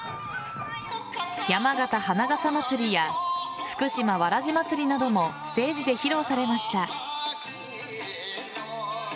山形花笠まつりや福島わらじまつりなどもステージで披露されました。